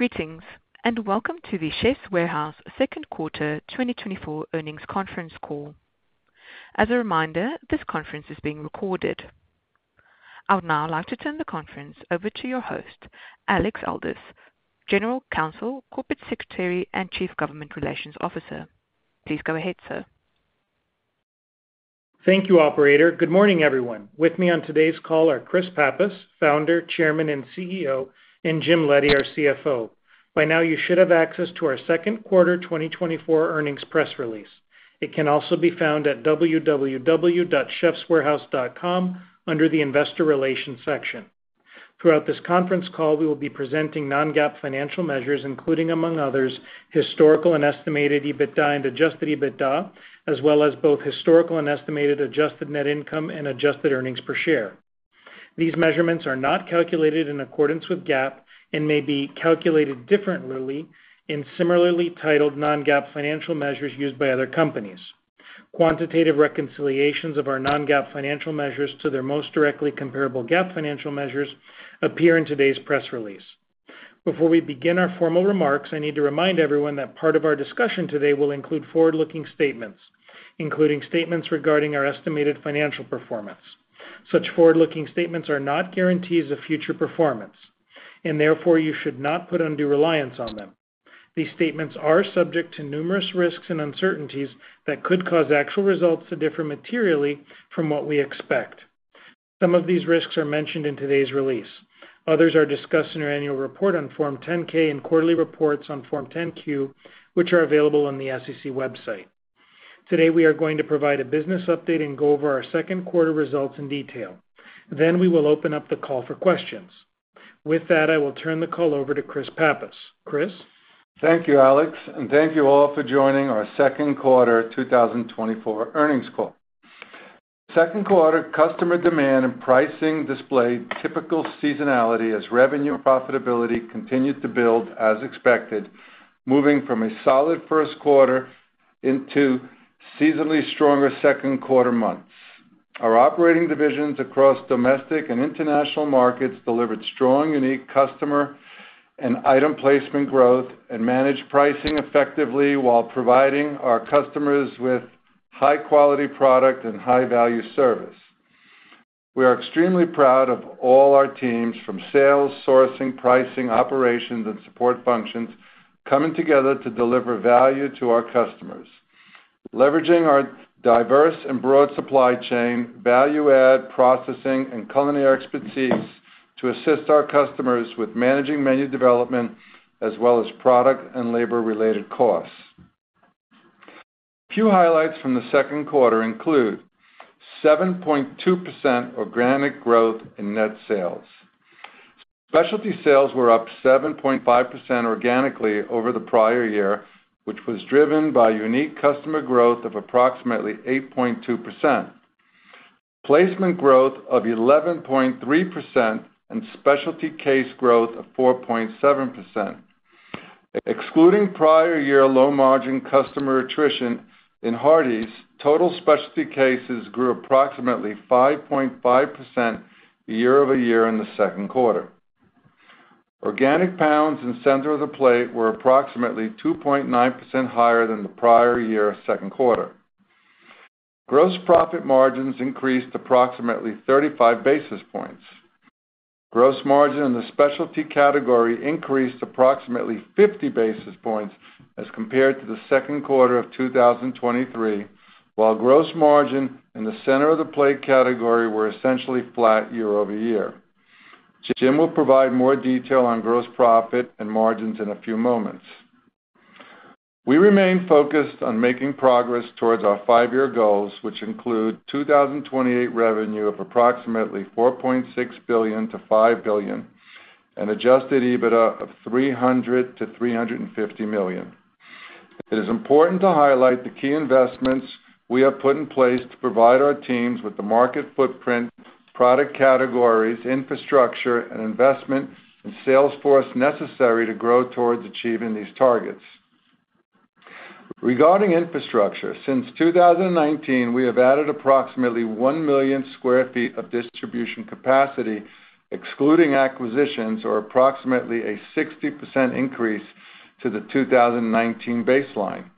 Greetings, and welcome to The Chefs' Warehouse second quarter 2024 Earnings Conference Call. As a reminder, this conference is being recorded. I would now like to turn the conference over to your host, Alex Aldous, General Counsel, Corporate Secretary, and Chief Government Relations Officer. Please go ahead, sir. Thank you, Operator. Good morning, everyone. With me on today's call are Chris Pappas, Founder, Chairman, and CEO, and Jim Leddy, our CFO. By now, you should have access to our second quarter 2024 earnings press release. It can also be found at www.chefswarehouse.com under the Investor Relations section. Throughout this conference call, we will be presenting non-GAAP financial measures, including, among others, historical and estimated EBITDA and adjusted EBITDA, as well as both historical and estimated adjusted net income and adjusted earnings per share. These measurements are not calculated in accordance with GAAP and may be calculated differently in similarly titled non-GAAP financial measures used by other companies. Quantitative reconciliations of our non-GAAP financial measures to their most directly comparable GAAP financial measures appear in today's press release. Before we begin our formal remarks, I need to remind everyone that part of our discussion today will include forward-looking statements, including statements regarding our estimated financial performance. Such forward-looking statements are not guarantees of future performance, and therefore you should not put undue reliance on them. These statements are subject to numerous risks and uncertainties that could cause actual results to differ materially from what we expect. Some of these risks are mentioned in today's release. Others are discussed in our annual report on Form 10-K and quarterly reports on Form 10-Q, which are available on the SEC website. Today, we are going to provide a business update and go over our second quarter results in detail. Then we will open up the call for questions. With that, I will turn the call over to Chris Pappas. Chris. Thank you, Alex, and thank you all for joining our second quarter 2024 earnings call. Second quarter customer demand and pricing displayed typical seasonality as revenue and profitability continued to build as expected, moving from a solid first quarter into seasonally stronger second quarter months. Our operating divisions across domestic and international markets delivered strong, unique customer and item placement growth and managed pricing effectively while providing our customers with high-quality product and high-value service. We are extremely proud of all our teams from sales, sourcing, pricing, operations, and support functions coming together to deliver value to our customers, leveraging our diverse and broad supply chain, value-add processing, and culinary expertise to assist our customers with managing menu development as well as product and labor-related costs. Few highlights from the second quarter include 7.2% organic growth in net sales. Specialty sales were up 7.5% organically over the prior year, which was driven by unique customer growth of approximately 8.2%, placement growth of 11.3%, and specialty case growth of 4.7%. Excluding prior year low-margin customer attrition in Hardie's, total specialty cases grew approximately 5.5% year-over-year in the second quarter. Organic pounds and center of the plate were approximately 2.9% higher than the prior year second quarter. Gross profit margins increased approximately 35 basis points. Gross margin in the specialty category increased approximately 50 basis points as compared to the second quarter of 2023, while gross margin in the center of the plate category were essentially flat year-over-year. Jim will provide more detail on gross profit and margins in a few moments. We remain focused on making progress towards our five-year goals, which include 2028 revenue of approximately $4.6 billion-$5 billion and Adjusted EBITDA of $300 million-$350 million. It is important to highlight the key investments we have put in place to provide our teams with the market footprint, product categories, infrastructure, and investment in sales force necessary to grow towards achieving these targets. Regarding infrastructure, since 2019, we have added approximately 1 million sq ft of distribution capacity, excluding acquisitions, or approximately a 60% increase to the 2019 baseline.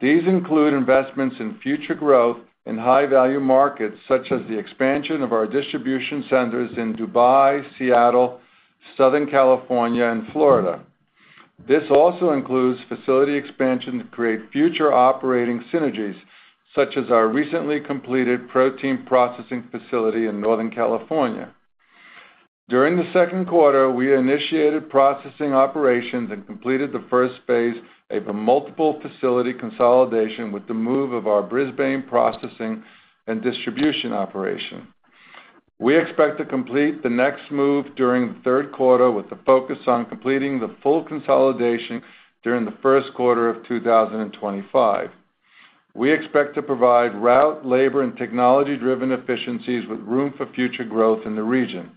These include investments in future growth in high-value markets such as the expansion of our distribution centers in Dubai, Seattle, Southern California, and Florida. This also includes facility expansion to create future operating synergies, such as our recently completed protein processing facility in Northern California. During the second quarter, we initiated processing operations and completed the first phase of a multiple facility consolidation with the move of our Brisbane processing and distribution operation. We expect to complete the next move during the third quarter with a focus on completing the full consolidation during the first quarter of 2025. We expect to provide route, labor, and technology-driven efficiencies with room for future growth in the region.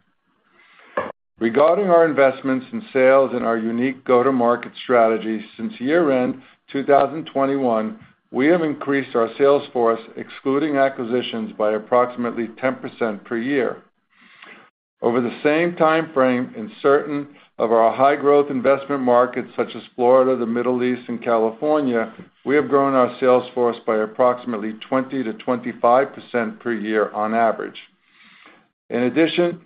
Regarding our investments in sales and our unique go-to-market strategy, since year-end 2021, we have increased our sales force, excluding acquisitions, by approximately 10% per year. Over the same timeframe, in certain of our high-growth investment markets such as Florida, the Middle East, and California, we have grown our sales force by approximately 20%-25% per year on average. In addition,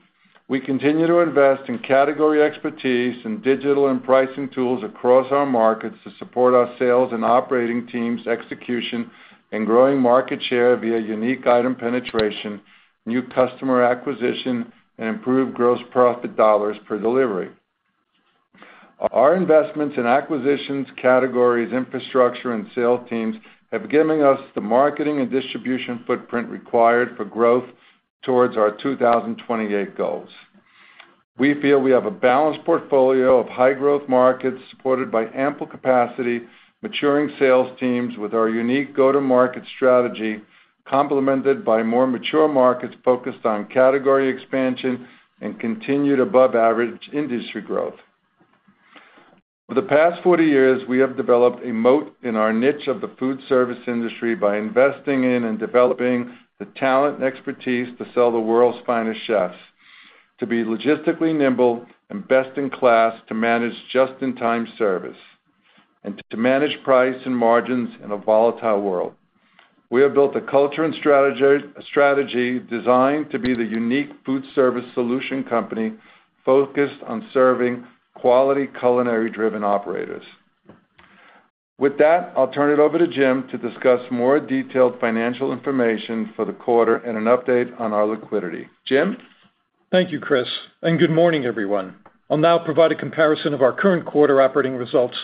we continue to invest in category expertise and digital and pricing tools across our markets to support our sales and operating teams' execution and growing market share via unique item penetration, new customer acquisition, and improved gross profit dollars per delivery. Our investments in acquisitions, categories, infrastructure, and sales teams have given us the marketing and distribution footprint required for growth towards our 2028 goals. We feel we have a balanced portfolio of high-growth markets supported by ample capacity, maturing sales teams with our unique go-to-market strategy, complemented by more mature markets focused on category expansion and continued above-average industry growth. Over the past 40 years, we have developed a moat in our niche of the food service industry by investing in and developing the talent and expertise to sell to the world's finest chefs, to be logistically nimble and best in class, to manage just-in-time service, and to manage price and margins in a volatile world. We have built a culture and strategy designed to be the unique food service solution company focused on serving quality culinary-driven operators. With that, I'll turn it over to Jim to discuss more detailed financial information for the quarter and an update on our liquidity. Jim? Thank you, Chris, and good morning, everyone. I'll now provide a comparison of our current quarter operating results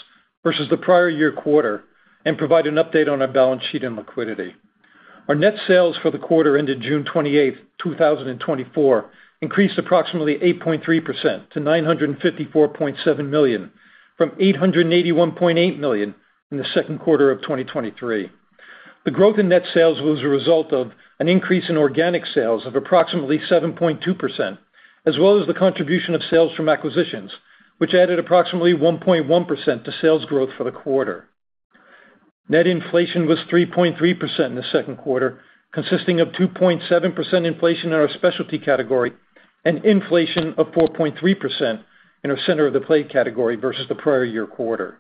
versus the prior year quarter and provide an update on our balance sheet and liquidity. Our net sales for the quarter ended June 28, 2024, increased approximately 8.3% to $954.7 million from $881.8 million in the second quarter of 2023. The growth in net sales was a result of an increase in organic sales of approximately 7.2%, as well as the contribution of sales from acquisitions, which added approximately 1.1% to sales growth for the quarter. Net inflation was 3.3% in the second quarter, consisting of 2.7% inflation in our specialty category and inflation of 4.3% in our center of the plate category versus the prior year quarter.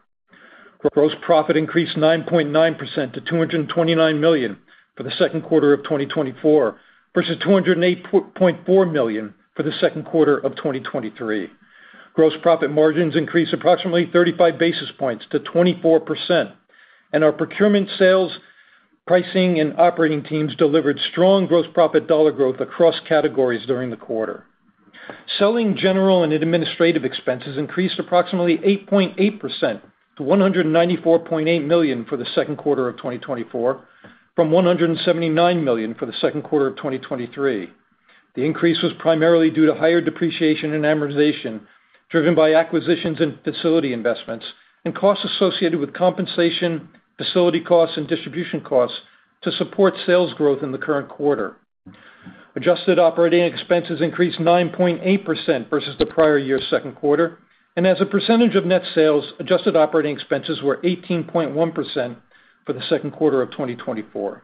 Gross profit increased 9.9% to $229 million for the second quarter of 2024 versus $208.4 million for the second quarter of 2023. Gross profit margins increased approximately 35 basis points to 24%, and our procurement sales, pricing, and operating teams delivered strong gross profit dollar growth across categories during the quarter. Selling, general, and administrative expenses increased approximately 8.8% to $194.8 million for the second quarter of 2024 from $179 million for the second quarter of 2023. The increase was primarily due to higher depreciation and amortization driven by acquisitions and facility investments and costs associated with compensation, facility costs, and distribution costs to support sales growth in the current quarter. Adjusted operating expenses increased 9.8% versus the prior year second quarter, and as a percentage of net sales, adjusted operating expenses were 18.1% for the second quarter of 2024.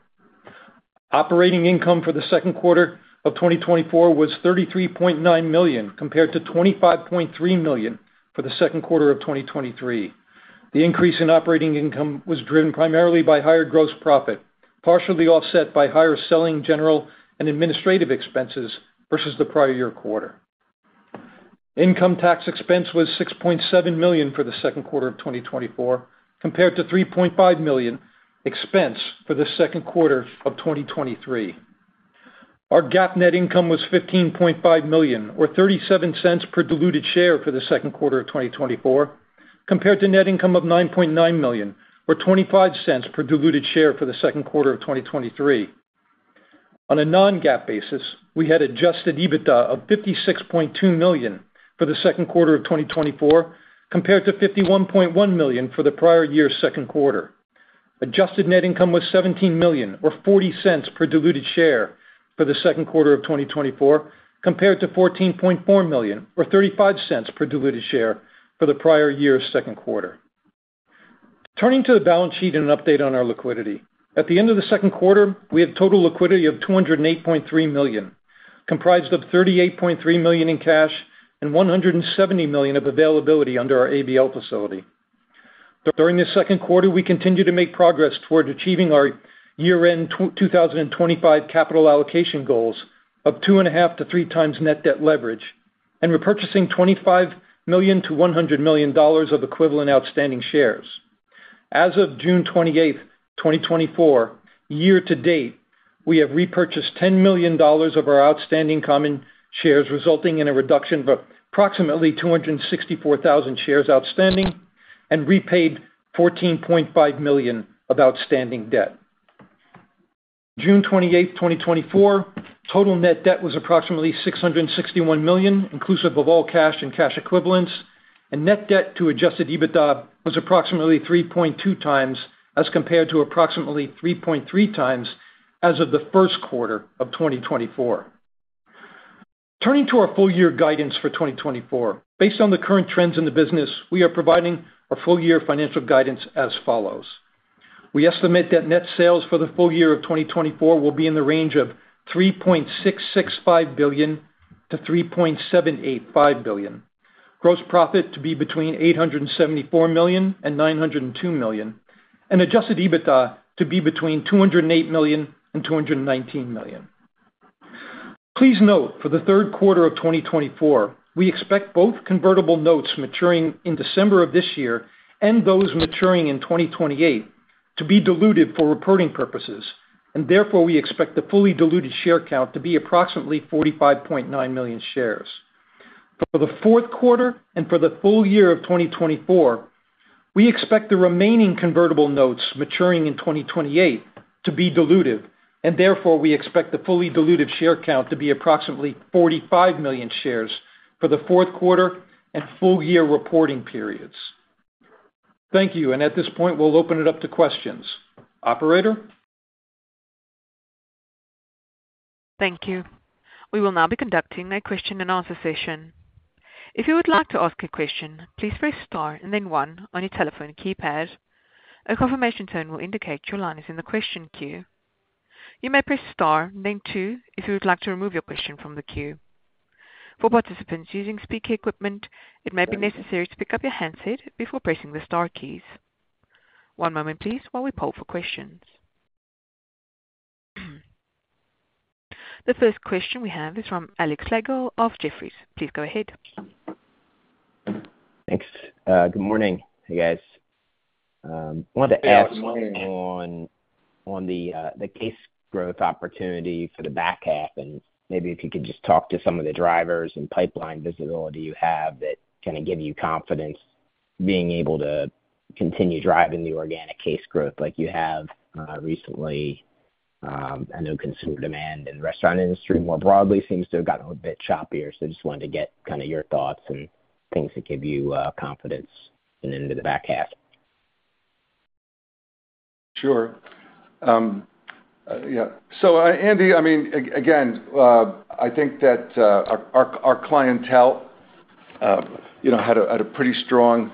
Operating income for the second quarter of 2024 was $33.9 million compared to $25.3 million for the second quarter of 2023. The increase in operating income was driven primarily by higher gross profit, partially offset by higher selling, general, and administrative expenses versus the prior year quarter. Income tax expense was $6.7 million for the second quarter of 2024 compared to $3.5 million expense for the second quarter of 2023. Our GAAP net income was $15.5 million, or $0.37 per diluted share for the second quarter of 2024, compared to net income of $9.9 million, or $0.25 per diluted share for the second quarter of 2023. On a non-GAAP basis, we had adjusted EBITDA of $56.2 million for the second quarter of 2024 compared to $51.1 million for the prior year second quarter. Adjusted net income was $17 million, or $0.40 per diluted share for the second quarter of 2024, compared to $14.4 million, or $0.35 per diluted share for the prior year second quarter. Turning to the balance sheet and an update on our liquidity. At the end of the second quarter, we had total liquidity of $208.3 million, comprised of $38.3 million in cash and $170 million of availability under our ABL facility. During this second quarter, we continued to make progress towards achieving our year-end 2025 capital allocation goals of 2.5-3 times net debt leverage and repurchasing $25 million-$100 million of equivalent outstanding shares. As of June 28, 2024, year to date, we have repurchased $10 million of our outstanding common shares, resulting in a reduction of approximately 264,000 shares outstanding and repaid $14.5 million of outstanding debt. June 28, 2024, total net debt was approximately $661 million, inclusive of all cash and cash equivalents, and net debt to adjusted EBITDA was approximately 3.2 times as compared to approximately 3.3 times as of the first quarter of 2024. Turning to our full-year guidance for 2024, based on the current trends in the business, we are providing our full-year financial guidance as follows. We estimate that net sales for the full year of 2024 will be in the range of $3.665 billion-$3.785 billion, gross profit to be between $874 million-$902 million, and adjusted EBITDA to be between $208 million-$219 million. Please note, for the third quarter of 2024, we expect both convertible notes maturing in December of this year and those maturing in 2028 to be diluted for reporting purposes, and therefore we expect the fully diluted share count to be approximately 45.9 million shares. For the fourth quarter and for the full year of 2024, we expect the remaining convertible notes maturing in 2028 to be diluted, and therefore we expect the fully diluted share count to be approximately 45 million shares for the fourth quarter and full-year reporting periods. Thank you, and at this point, we'll open it up to questions. Operator? Thank you. We will now be conducting a question and answer session. If you would like to ask a question, please press Star and then 1 on your telephone keypad. A confirmation tone will indicate your line is in the question queue. You may press Star and then 2 if you would like to remove your question from the queue. For participants using speaker equipment, it may be necessary to pick up your handset before pressing the Star keys. One moment, please, while we poll for questions. The first question we have is from Alexander Slagle of Jefferies. Please go ahead. Thanks. Good morning. Hey, guys. I wanted to ask on the case growth opportunity for the back half, and maybe if you could just talk to some of the drivers and pipeline visibility you have that kind of give you confidence being able to continue driving the organic case growth like you have recently. I know consumer demand in the restaurant industry more broadly seems to have gotten a bit choppier, so I just wanted to get kind of your thoughts and things that give you confidence in the back half. Sure. Yeah. So, Andy, I mean, again, I think that our clientele had a pretty strong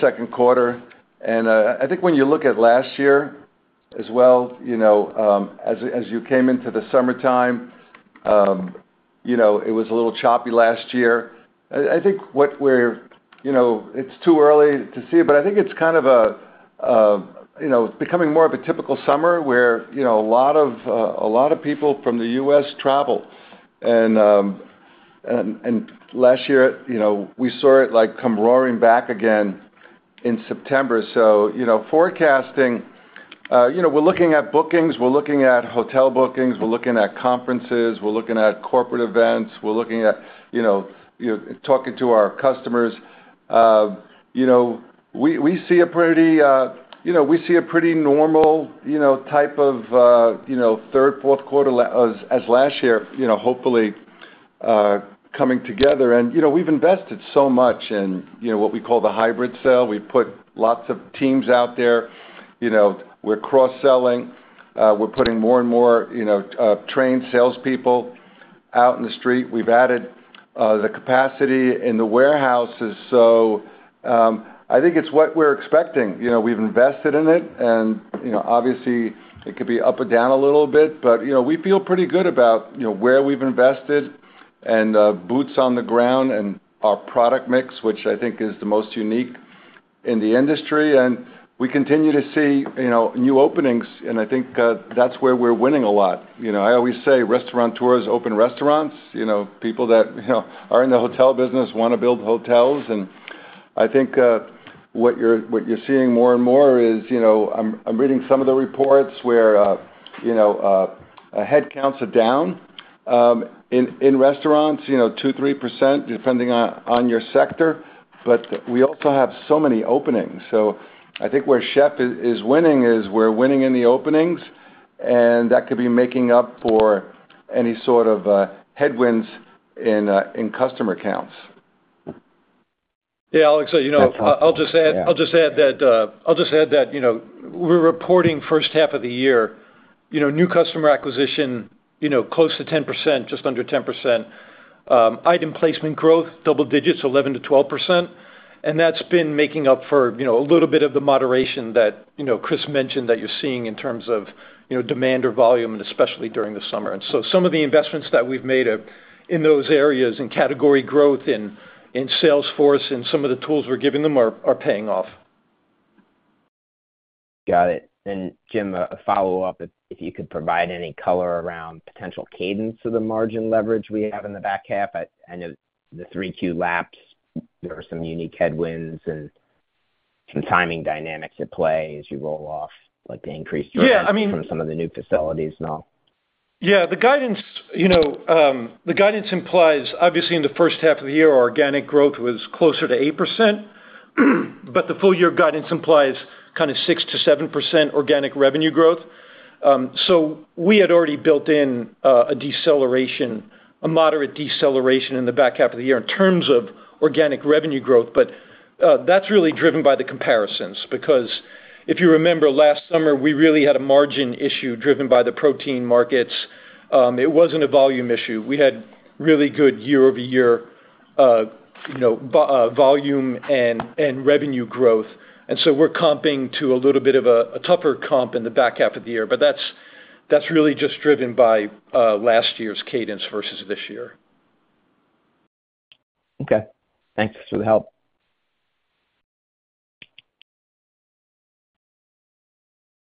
second quarter, and I think when you look at last year as well, as you came into the summertime, it was a little choppy last year. I think what we're, it's too early to see it, but I think it's kind of becoming more of a typical summer where a lot of people from the US travel. And last year, we saw it come roaring back again in September. So forecasting, we're looking at bookings, we're looking at hotel bookings, we're looking at conferences, we're looking at corporate events, we're looking at talking to our customers. We see a pretty, we see a pretty normal type of third, fourth quarter as last year, hopefully coming together. And we've invested so much in what we call the hybrid sale. We've put lots of teams out there. We're cross-selling. We're putting more and more trained salespeople out in the street. We've added the capacity in the warehouses. So I think it's what we're expecting. We've invested in it, and obviously, it could be up or down a little bit, but we feel pretty good about where we've invested and boots on the ground and our product mix, which I think is the most unique in the industry. And we continue to see new openings, and I think that's where we're winning a lot. I always say restaurateurs open restaurants. People that are in the hotel business want to build hotels. And I think what you're seeing more and more is I'm reading some of the reports where head counts are down in restaurants, 2%-3%, depending on your sector, but we also have so many openings. I think where Chef is winning is we're winning in the openings, and that could be making up for any sort of headwinds in customer counts. Yeah, Alex, I'll just add that we're reporting first half of the year, new customer acquisition close to 10%, just under 10%. Item placement growth, double digits, 11%-12%, and that's been making up for a little bit of the moderation that Chris mentioned that you're seeing in terms of demand or volume, and especially during the summer. And so some of the investments that we've made in those areas and category growth in sales force and some of the tools we're giving them are paying off. Got it. And, Jim, a follow-up, if you could provide any color around potential cadence of the margin leverage we have in the back half. I know the three Q laps, there were some unique headwinds and some timing dynamics at play as you roll off the increased drivers from some of the new facilities and all. Yeah. The guidance implies, obviously, in the first half of the year, our organic growth was closer to 8%, but the full-year guidance implies kind of 6%-7% organic revenue growth. So we had already built in a deceleration, a moderate deceleration in the back half of the year in terms of organic revenue growth, but that's really driven by the comparisons because if you remember last summer, we really had a margin issue driven by the protein markets. It wasn't a volume issue. We had really good year-over-year volume and revenue growth, and so we're comping to a little bit of a tougher comp in the back half of the year, but that's really just driven by last year's cadence versus this year. Okay. Thanks for the help.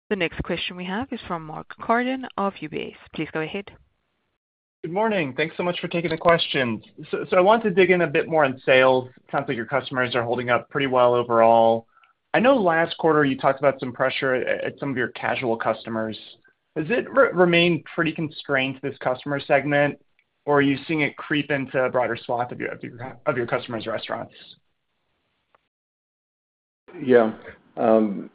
The next question we have is from Mark Carden of UBS. Please go ahead. Good morning. Thanks so much for taking the question. So I wanted to dig in a bit more on sales. It sounds like your customers are holding up pretty well overall. I know last quarter you talked about some pressure at some of your casual customers. Has it remained pretty constrained, this customer segment, or are you seeing it creep into a broader swath of your customers' restaurants? Yeah. I'm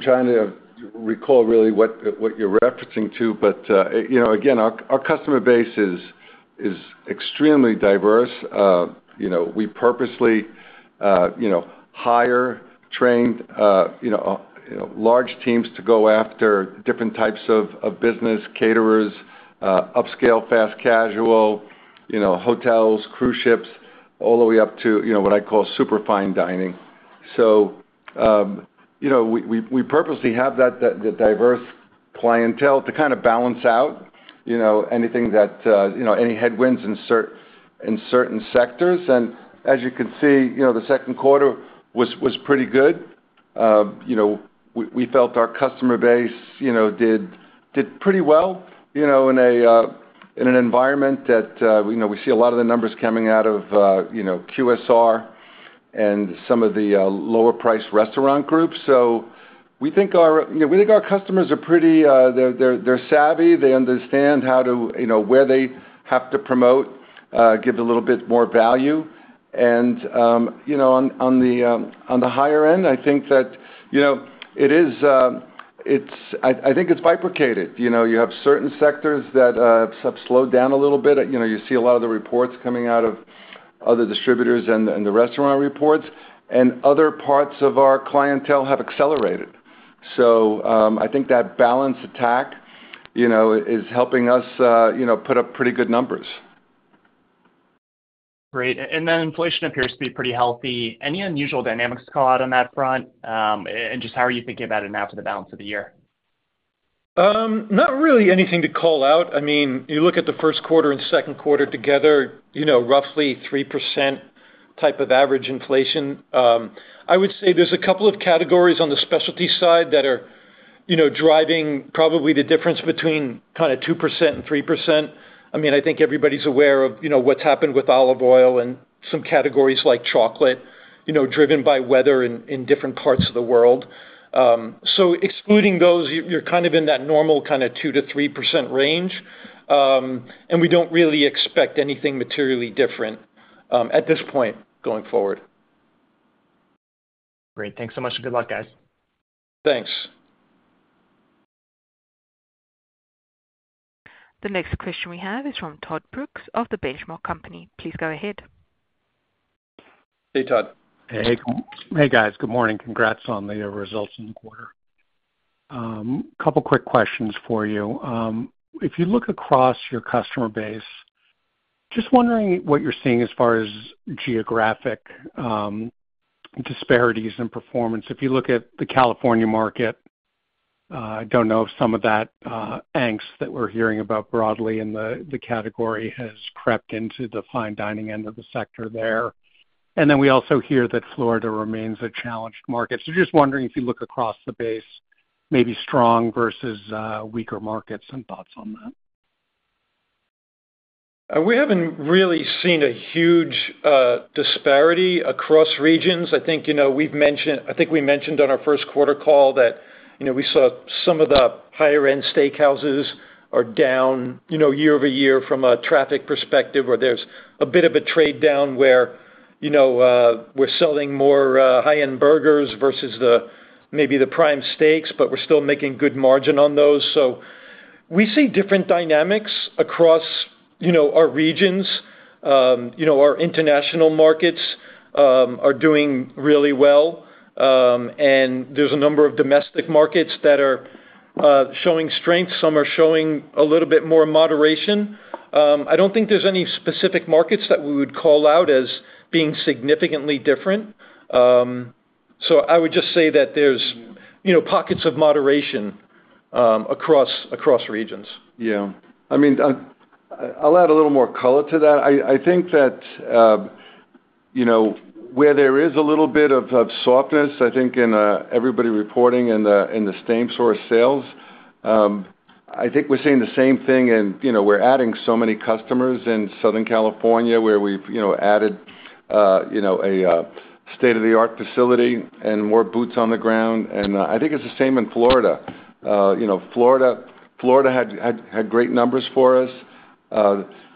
trying to recall really what you're referencing to, but again, our customer base is extremely diverse. We purposely hire, train large teams to go after different types of business, caterers, upscale, fast casual, hotels, cruise ships, all the way up to what I call super fine dining. So we purposely have that diverse clientele to kind of balance out any headwinds in certain sectors. And as you can see, the second quarter was pretty good. We felt our customer base did pretty well in an environment that we see a lot of the numbers coming out of QSR and some of the lower-priced restaurant groups. So we think our customers are pretty—they're savvy. They understand how to—where they have to promote, give a little bit more value. And on the higher end, I think that it is—I think it's bifurcated. You have certain sectors that have slowed down a little bit. You see a lot of the reports coming out of other distributors and the restaurant reports, and other parts of our clientele have accelerated. So I think that balance attack is helping us put up pretty good numbers. Great. And then inflation appears to be pretty healthy. Any unusual dynamics to call out on that front? And just how are you thinking about it now for the balance of the year? Not really anything to call out. I mean, you look at the first quarter and second quarter together, roughly 3% type of average inflation. I would say there's a couple of categories on the specialty side that are driving probably the difference between kind of 2% and 3%. I mean, I think everybody's aware of what's happened with olive oil and some categories like chocolate, driven by weather in different parts of the world. So excluding those, you're kind of in that normal kind of 2%-3% range, and we don't really expect anything materially different at this point going forward. Great. Thanks so much. Good luck, guys. Thanks. The next question we have is from Todd Brooks of The Benchmark Company. Please go ahead. Hey, Todd. Hey, guys. Good morning. Congrats on the results in the quarter. A couple of quick questions for you. If you look across your customer base, just wondering what you're seeing as far as geographic disparities in performance. If you look at the California market, I don't know if some of that angst that we're hearing about broadly in the category has crept into the fine dining end of the sector there. And then we also hear that Florida remains a challenged market. So just wondering if you look across the base, maybe strong versus weaker markets, some thoughts on that. We haven't really seen a huge disparity across regions. I think we mentioned on our first quarter call that we saw some of the higher-end steakhouses are down year-over-year from a traffic perspective where there's a bit of a trade down where we're selling more high-end burgers versus maybe the prime steaks, but we're still making good margin on those. So we see different dynamics across our regions. Our international markets are doing really well, and there's a number of domestic markets that are showing strength. Some are showing a little bit more moderation. I don't think there's any specific markets that we would call out as being significantly different. So I would just say that there's pockets of moderation across regions. Yeah. I mean, I'll add a little more color to that. I think that where there is a little bit of softness, I think in everybody reporting in the same-store sales, I think we're seeing the same thing, and we're adding so many customers in Southern California where we've added a state-of-the-art facility and more boots on the ground. And I think it's the same in Florida. Florida had great numbers for us.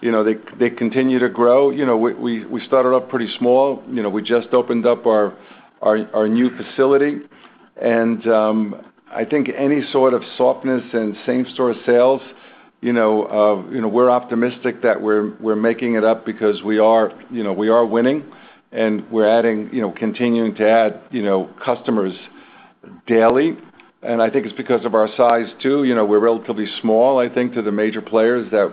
They continue to grow. We started off pretty small. We just opened up our new facility. And I think any sort of softness in same-store sales, we're optimistic that we're making it up because we are winning, and we're continuing to add customers daily. And I think it's because of our size too. We're relatively small, I think, to the major players that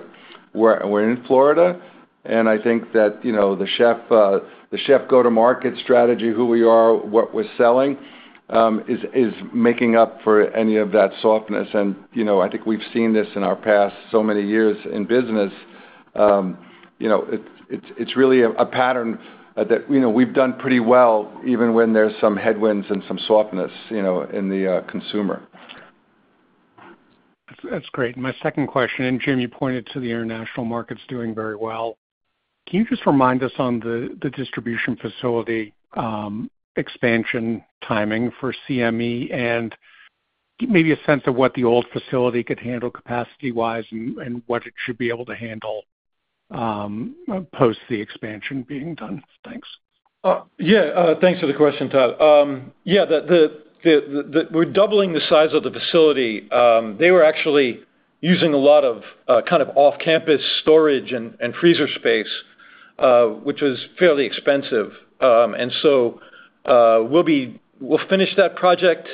were in Florida. I think that the Chef go-to-market strategy, who we are, what we're selling is making up for any of that softness. I think we've seen this in our past so many years in business. It's really a pattern that we've done pretty well even when there's some headwinds and some softness in the consumer. That's great. My second question. Jim, you pointed to the international markets doing very well. Can you just remind us on the distribution facility expansion timing for CME and maybe a sense of what the old facility could handle capacity-wise and what it should be able to handle post the expansion being done? Thanks. Yeah. Thanks for the question, Todd. Yeah, we're doubling the size of the facility. They were actually using a lot of kind of off-campus storage and freezer space, which was fairly expensive. And so we'll finish that project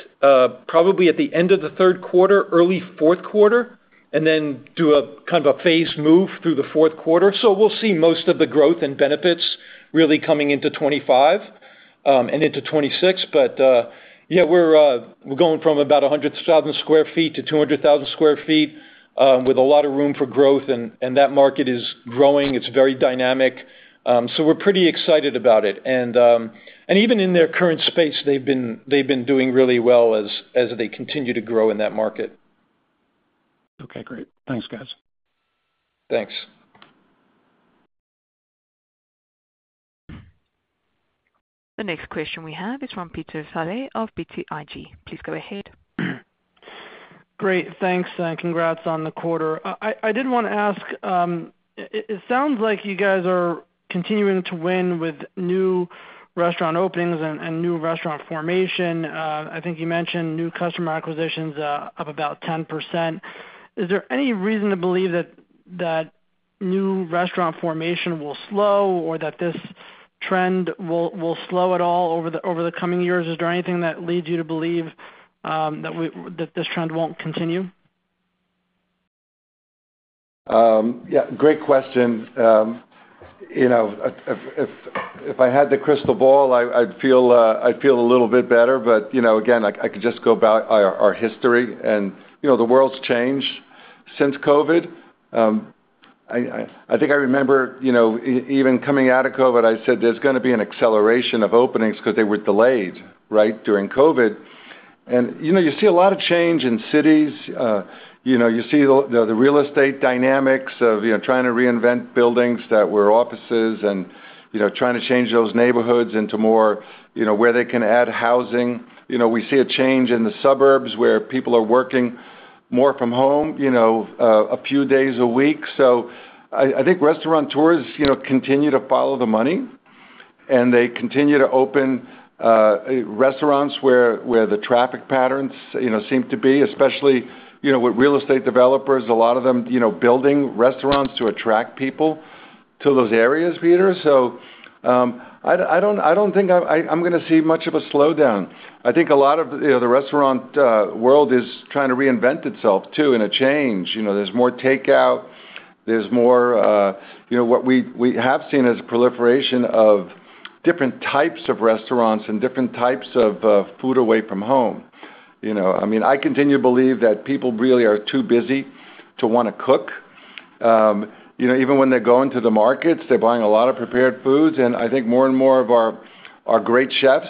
probably at the end of the third quarter, early fourth quarter, and then do a kind of a phased move through the fourth quarter. So we'll see most of the growth and benefits really coming into 2025 and into 2026. But yeah, we're going from about 100,000 sq ft to 200,000 sq ft with a lot of room for growth, and that market is growing. It's very dynamic. So we're pretty excited about it. And even in their current space, they've been doing really well as they continue to grow in that market. Okay. Great. Thanks, guys. Thanks. The next question we have is from Peter Saleh of BTIG. Please go ahead. Great. Thanks. And congrats on the quarter. I did want to ask, it sounds like you guys are continuing to win with new restaurant openings and new restaurant formation. I think you mentioned new customer acquisitions of about 10%. Is there any reason to believe that new restaurant formation will slow or that this trend will slow at all over the coming years? Is there anything that leads you to believe that this trend won't continue? Yeah. Great question. If I had the crystal ball, I'd feel a little bit better. But again, I could just go about our history, and the world's changed since COVID. I think I remember even coming out of COVID, I said there's going to be an acceleration of openings because they were delayed, right, during COVID. And you see a lot of change in cities. You see the real estate dynamics of trying to reinvent buildings that were offices and trying to change those neighborhoods into more where they can add housing. We see a change in the suburbs where people are working more from home a few days a week. So I think restaurateurs continue to follow the money, and they continue to open restaurants where the traffic patterns seem to be, especially with real estate developers, a lot of them building restaurants to attract people to those areas, Peter. So I don't think I'm going to see much of a slowdown. I think a lot of the restaurant world is trying to reinvent itself too in a change. There's more takeout. There's more what we have seen as a proliferation of different types of restaurants and different types of food away from home. I mean, I continue to believe that people really are too busy to want to cook. Even when they're going to the markets, they're buying a lot of prepared foods. And I think more and more of our great chefs,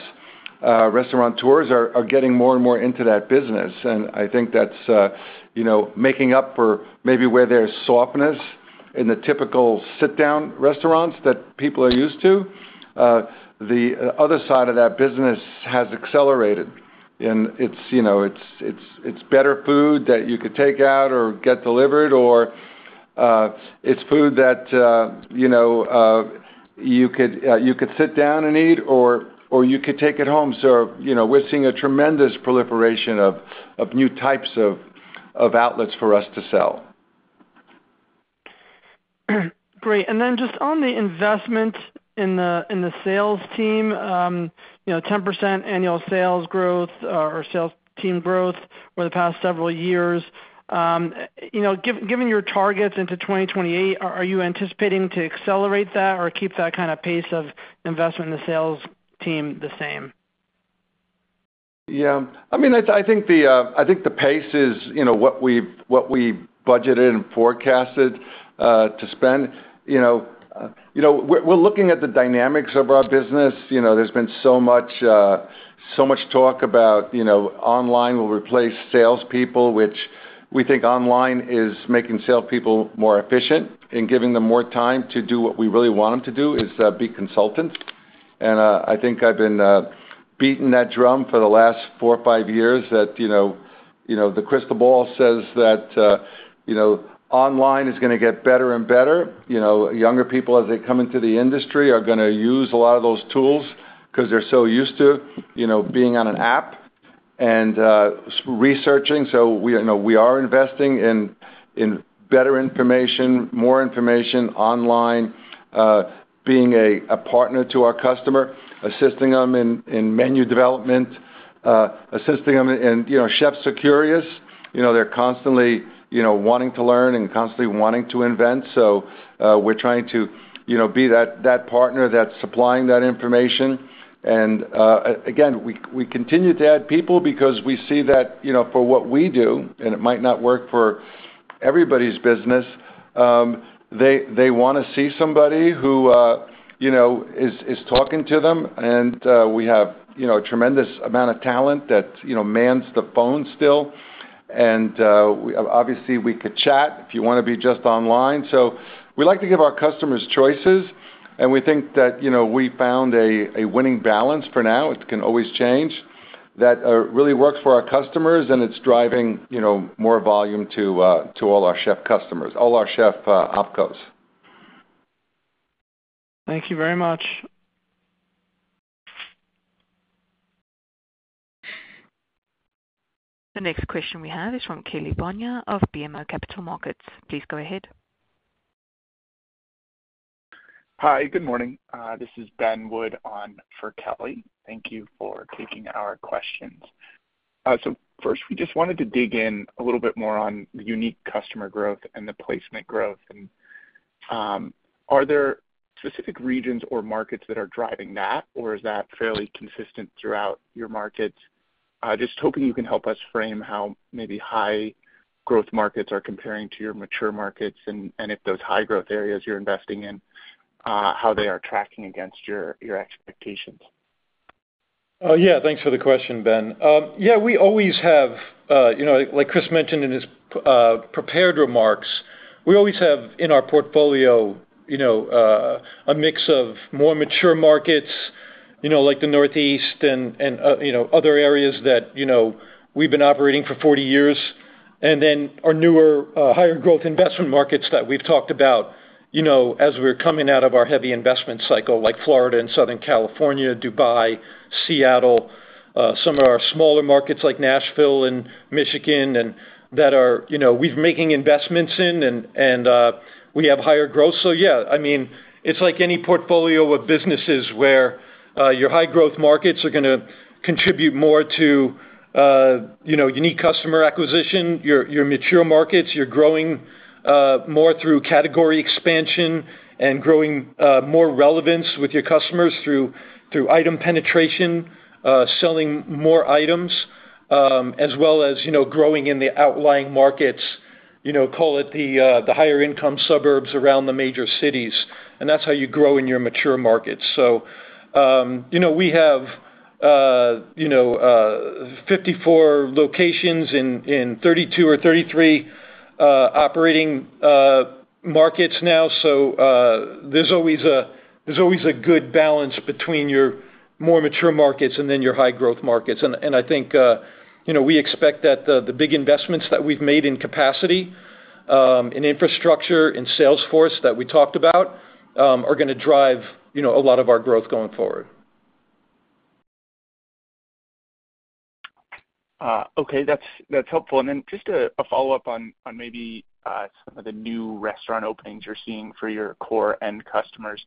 restaurateurs, are getting more and more into that business. I think that's making up for maybe where there's softness in the typical sit-down restaurants that people are used to. The other side of that business has accelerated, and it's better food that you could take out or get delivered, or it's food that you could sit down and eat, or you could take it home. So we're seeing a tremendous proliferation of new types of outlets for us to sell. Great. And then just on the investment in the sales team, 10% annual sales growth or sales team growth over the past several years. Given your targets into 2028, are you anticipating to accelerate that or keep that kind of pace of investment in the sales team the same? Yeah. I mean, I think the pace is what we budgeted and forecasted to spend. We're looking at the dynamics of our business. There's been so much talk about online will replace salespeople, which we think online is making salespeople more efficient and giving them more time to do what we really want them to do is be consultants. I think I've been beating that drum for the last four or five years that the crystal ball says that online is going to get better and better. Younger people, as they come into the industry, are going to use a lot of those tools because they're so used to being on an app and researching. So we are investing in better information, more information online, being a partner to our customer, assisting them in menu development, assisting them in chefs are curious. They're constantly wanting to learn and constantly wanting to invent. So we're trying to be that partner that's supplying that information. And again, we continue to add people because we see that for what we do, and it might not work for everybody's business, they want to see somebody who is talking to them. And we have a tremendous amount of talent that mans the phone still. And obviously, we could chat if you want to be just online. So we like to give our customers choices, and we think that we found a winning balance for now. It can always change. That really works for our customers, and it's driving more volume to all our Chef customers, all our Chef opcos. Thank you very much. The next question we have is from Kelly Bania of BMO Capital Markets. Please go ahead. Hi. Good morning. This is Ben Wood on for Kelly. Thank you for taking our questions. So first, we just wanted to dig in a little bit more on the unique customer growth and the placement growth. And are there specific regions or markets that are driving that, or is that fairly consistent throughout your markets? Just hoping you can help us frame how maybe high-growth markets are comparing to your mature markets and if those high-growth areas you're investing in, how they are tracking against your expectations. Oh, yeah. Thanks for the question, Ben. Yeah, we always have, like Chris mentioned in his prepared remarks, we always have in our portfolio a mix of more mature markets like the Northeast and other areas that we've been operating for 40 years, and then our newer higher-growth investment markets that we've talked about as we're coming out of our heavy investment cycle, like Florida and Southern California, Dubai, Seattle, some of our smaller markets like Nashville and Michigan that we're making investments in, and we have higher growth. So yeah, I mean, it's like any portfolio of businesses where your high-growth markets are going to contribute more to unique customer acquisition. Your mature markets, you're growing more through category expansion and growing more relevance with your customers through item penetration, selling more items, as well as growing in the outlying markets, call it the higher-income suburbs around the major cities. That's how you grow in your mature markets. We have 54 locations in 32 or 33 operating markets now. There's always a good balance between your more mature markets and then your high-growth markets. I think we expect that the big investments that we've made in capacity, in infrastructure, in sales force that we talked about are going to drive a lot of our growth going forward. Okay. That's helpful. And then just a follow-up on maybe some of the new restaurant openings you're seeing for your core end customers.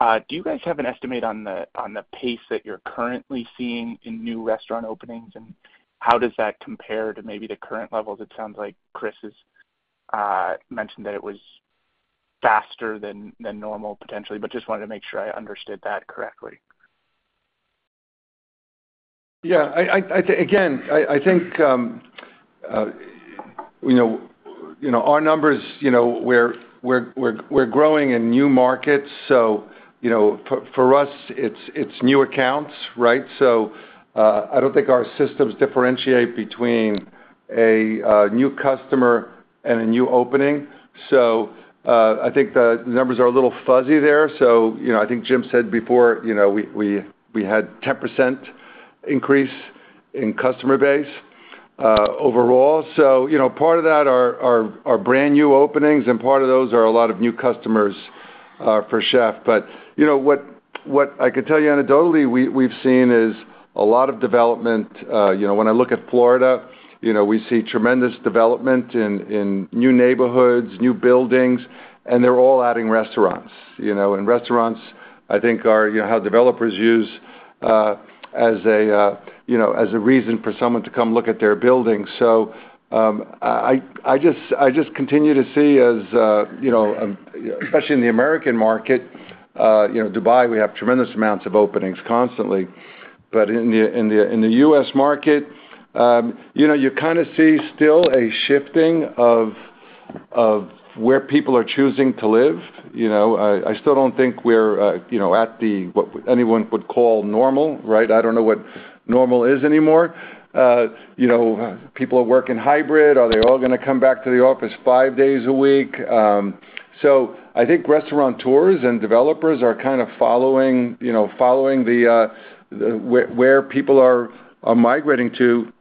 Do you guys have an estimate on the pace that you're currently seeing in new restaurant openings, and how does that compare to maybe the current levels? It sounds like Chris has mentioned that it was faster than normal, potentially, but just wanted to make sure I understood that correctly. Yeah. Again, I think our numbers, we're growing in new markets. So for us, it's new accounts, right? So I don't think our systems differentiate between a new customer and a new opening. So I think Jim said before we had a 10% increase in customer base overall. So part of that are our brand new openings, and part of those are a lot of new customers for Chef. But what I could tell you anecdotally we've seen is a lot of development. When I look at Florida, we see tremendous development in new neighborhoods, new buildings, and they're all adding restaurants. And restaurants, I think, are how developers use as a reason for someone to come look at their building. So I just continue to see, especially in the American market, Dubai, we have tremendous amounts of openings constantly. But in the U.S. market, you kind of see still a shifting of where people are choosing to live. I still don't think we're at the what anyone would call normal, right? I don't know what normal is anymore. People are working hybrid. Are they all going to come back to the office five days a week? So I think restaurateurs and developers are kind of following where people are migrating to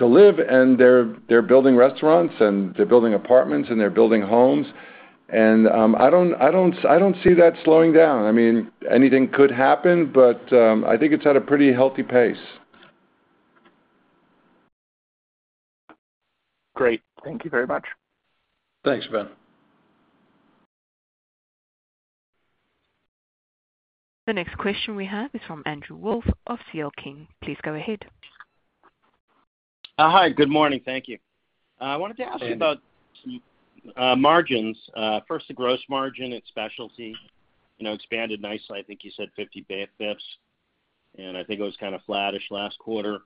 live and they're building restaurants and they're building apartments and they're building homes. And I don't see that slowing down. I mean, anything could happen, but I think it's at a pretty healthy pace. Great. Thank you very much. Thanks, Ben. The next question we have is from Andrew Wolf of CL King. Please go ahead. Hi. Good morning. Thank you. I wanted to ask you about some margins. First, the gross margin at Specialty expanded nicely. I think you said 50 basis points, and I think it was kind of flattish last quarter.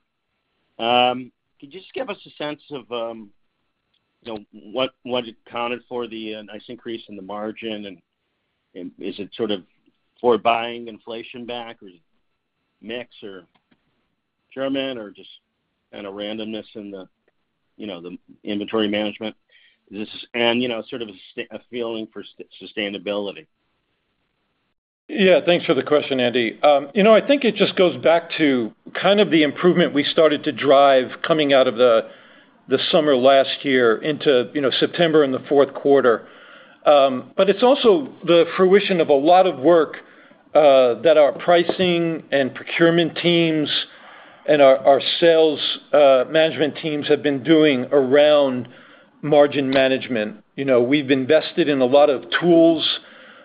Could you just give us a sense of what accounted for the nice increase in the margin? And is it sort of from buying inflation back or mix or margin or just kind of randomness in the inventory management? And sort of a feeling for sustainability. Yeah. Thanks for the question, Andy. I think it just goes back to kind of the improvement we started to drive coming out of the summer last year into September in the fourth quarter. But it's also the fruition of a lot of work that our pricing and procurement teams and our sales management teams have been doing around margin management. We've invested in a lot of tools,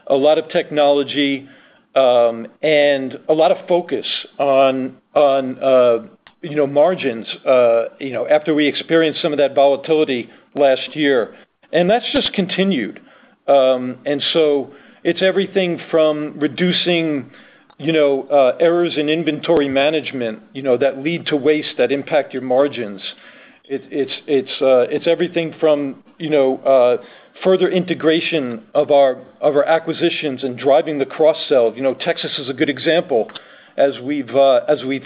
a lot of technology, and a lot of focus on margins after we experienced some of that volatility last year. And that's just continued. And so it's everything from reducing errors in inventory management that lead to waste that impact your margins. It's everything from further integration of our acquisitions and driving the cross-sell. Texas is a good example. As we've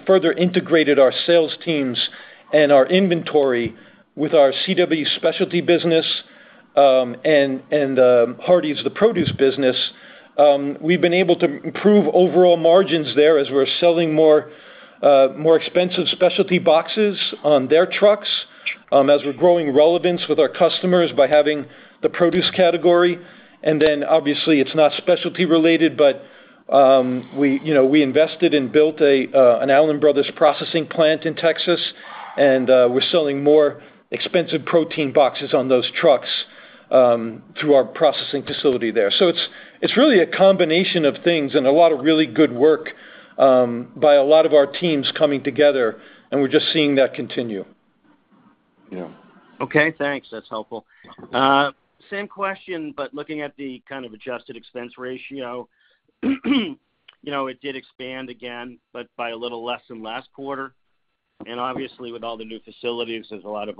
further integrated our sales teams and our inventory with our CW Specialty business and Hardie's, the produce business, we've been able to improve overall margins there as we're selling more expensive specialty boxes on their trucks as we're growing relevance with our customers by having the produce category. And then, obviously, it's not specialty-related, but we invested and built an Allen Brothers processing plant in Texas, and we're selling more expensive protein boxes on those trucks through our processing facility there. So it's really a combination of things and a lot of really good work by a lot of our teams coming together, and we're just seeing that continue. Yeah. Okay. Thanks. That's helpful. Same question, but looking at the kind of adjusted expense ratio, it did expand again, but by a little less than last quarter. And obviously, with all the new facilities, there's a lot of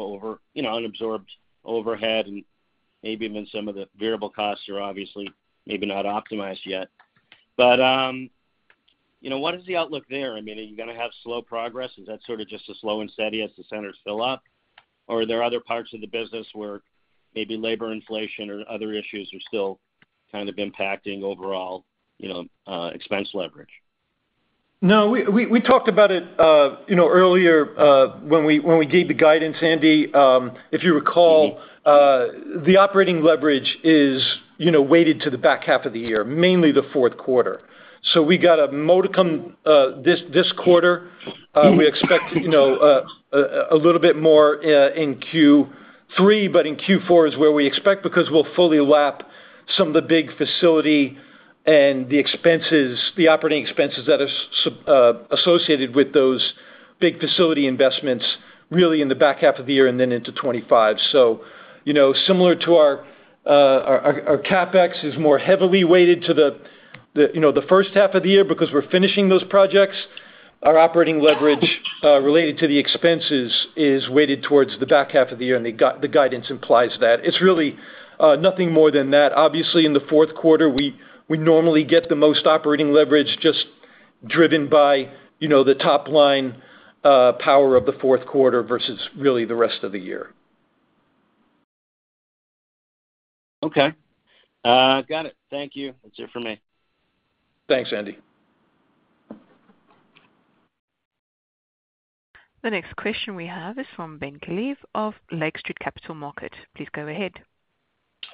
unabsorbed overhead, and maybe even some of the variable costs are obviously maybe not optimized yet. But what is the outlook there? I mean, are you going to have slow progress? Is that sort of just a slow and steady as the centers fill up? Or are there other parts of the business where maybe labor inflation or other issues are still kind of impacting overall expense leverage? No, we talked about it earlier when we gave the guidance, Andy. If you recall, the operating leverage is weighted to the back half of the year, mainly the fourth quarter. So we got a modicum this quarter. We expect a little bit more in Q3, but in Q4 is where we expect because we'll fully lap some of the big facility and the operating expenses that are associated with those big facility investments really in the back half of the year and then into 2025. So similar to our CapEx is more heavily weighted to the first half of the year because we're finishing those projects. Our operating leverage related to the expenses is weighted towards the back half of the year, and the guidance implies that. It's really nothing more than that. Obviously, in the fourth quarter, we normally get the most operating leverage just driven by the top-line power of the fourth quarter versus really the rest of the year. Okay. Got it. Thank you. That's it for me. Thanks, Andy. The next question we have is from Ben Klieve of Lake Street Capital Markets. Please go ahead.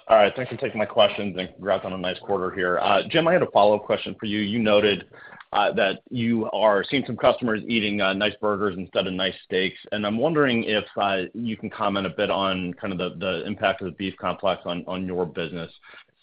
All right. Thanks for taking my questions, and congrats on a nice quarter here. Jim, I had a follow-up question for you. You noted that you are seeing some customers eating nice burgers instead of nice steaks. And I'm wondering if you can comment a bit on kind of the impact of the beef complex on your business.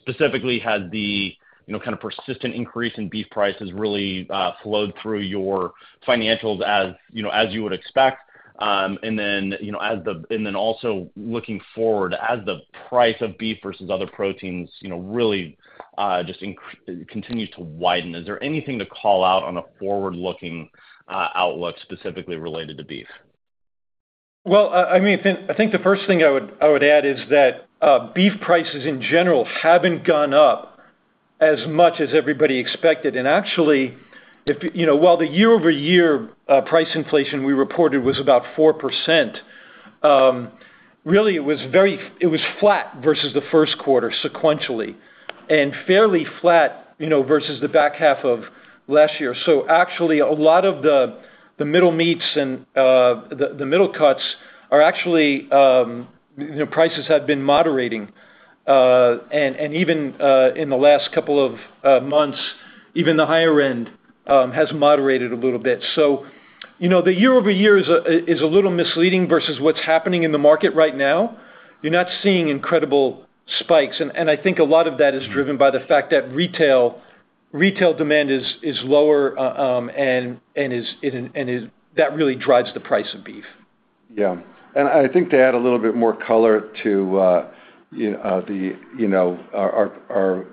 Specifically, has the kind of persistent increase in beef prices really flowed through your financials as you would expect? And then also looking forward, as the price of beef versus other proteins really just continues to widen, is there anything to call out on a forward-looking outlook specifically related to beef? Well, I mean, I think the first thing I would add is that beef prices in general haven't gone up as much as everybody expected. Actually, while the year-over-year price inflation we reported was about 4%, really, it was flat versus the first quarter sequentially and fairly flat versus the back half of last year. Actually, a lot of the middle meats and the middle cuts are actually prices have been moderating. Even in the last couple of months, even the higher end has moderated a little bit. The year-over-year is a little misleading versus what's happening in the market right now. You're not seeing incredible spikes. I think a lot of that is driven by the fact that retail demand is lower, and that really drives the price of beef. Yeah. And I think to add a little bit more color to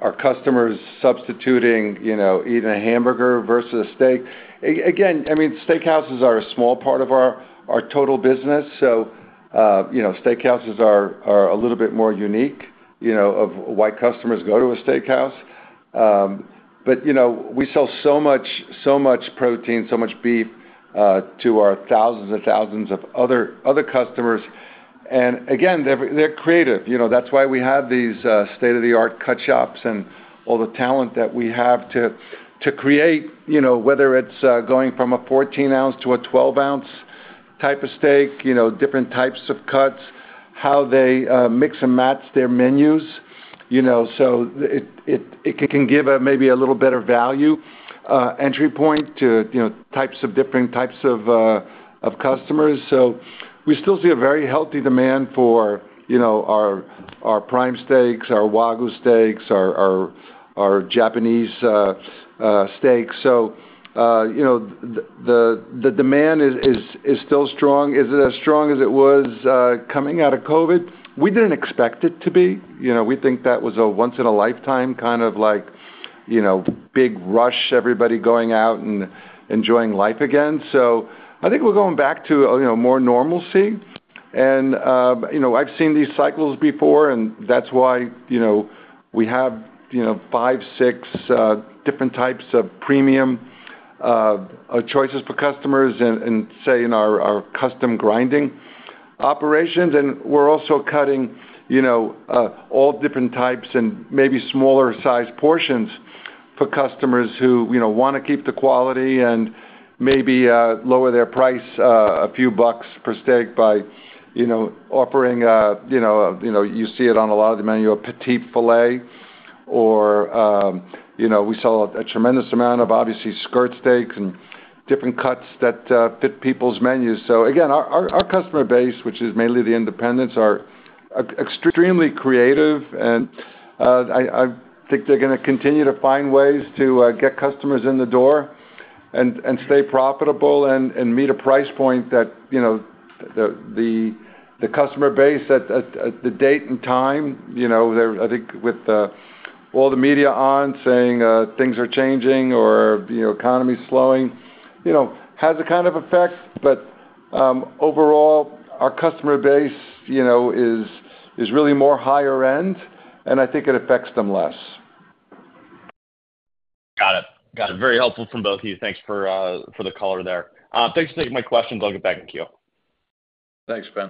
our customers substituting eating a hamburger versus a steak. Again, I mean, steakhouses are a small part of our total business. Steakhouses are a little bit more unique of why customers go to a steakhouse. But we sell so much protein, so much beef to our thousands and thousands of other customers. And again, they're creative. That's why we have these state-of-the-art cut shops and all the talent that we have to create, whether it's going from a 14-ounce to a 12-ounce type of steak, different types of cuts, how they mix and match their menus. So it can give maybe a little better value entry point to different types of customers. We still see a very healthy demand for our prime steaks, our wagyu steaks, our Japanese steaks. The demand is still strong. Is it as strong as it was coming out of COVID? We didn't expect it to be. We think that was a once-in-a-lifetime kind of big rush, everybody going out and enjoying life again. So I think we're going back to more normalcy. And I've seen these cycles before, and that's why we have 5, 6 different types of premium choices for customers and, say, in our custom grinding operations. And we're also cutting all different types and maybe smaller-sized portions for customers who want to keep the quality and maybe lower their price a few bucks per steak by offering a you see it on a lot of the menu a petite filet, or we sell a tremendous amount of, obviously, skirt steaks and different cuts that fit people's menus. So again, our customer base, which is mainly the independents, are extremely creative. I think they're going to continue to find ways to get customers in the door and stay profitable and meet a price point that the customer base at the date and time, I think with all the media on saying things are changing or the economy's slowing, has a kind of effect. Overall, our customer base is really more higher end, and I think it affects them less. Got it. Got it. Very helpful from both of you. Thanks for the color there. Thanks for taking my questions. I'll get back to you. Thanks, Ben.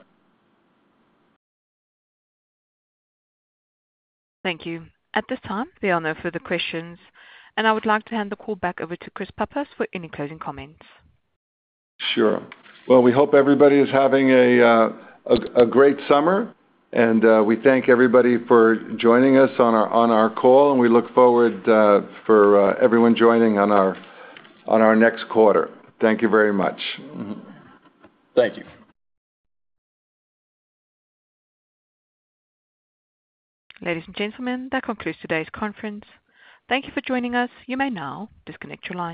Thank you. At this time, there are no further questions. I would like to hand the call back over to Chris Pappas for any closing comments. Sure. Well, we hope everybody is having a great summer, and we thank everybody for joining us on our call. We look forward to everyone joining on our next quarter. Thank you very much. Thank you. Ladies and gentlemen, that concludes today's conference. Thank you for joining us. You may now disconnect your line.